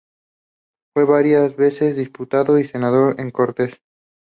Fue varias veces diputado y senador en Cortes.